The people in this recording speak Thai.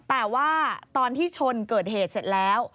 แต่ว่าตอนที่ชนเกิดเหตุเสร็จแล้ว